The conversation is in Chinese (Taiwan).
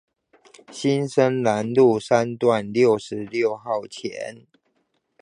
新生南路三段六六號前